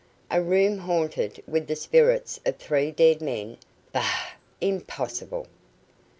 A room haunted with the spirits of three dead men! Bah! Impossible."